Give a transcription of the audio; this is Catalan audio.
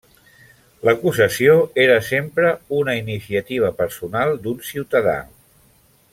L'acusació era sempre una iniciativa personal d'un ciutadà.